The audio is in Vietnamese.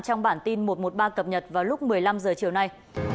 trong bản tin một trăm một mươi ba cập nhật vào lúc một mươi năm h chiều nay